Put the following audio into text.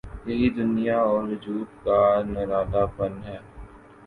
یہی دنیا اور وجود کا نرالا پن ہے۔